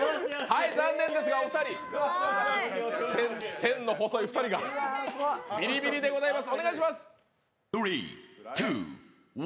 残念ですがお二人、線の細い２人がビリビリでございます。